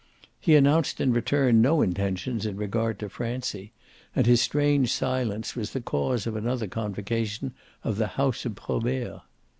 He announced in return no intentions in regard to Francie, and his strange silence was the cause of another convocation of the house of Probert.